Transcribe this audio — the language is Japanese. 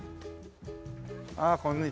ああこんにちは。